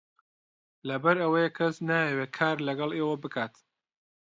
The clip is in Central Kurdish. لەبەر ئەوەیە کەس نایەوێت کار لەگەڵ ئێوە بکات.